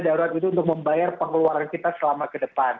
darurat itu untuk membayar pengeluaran kita selama ke depan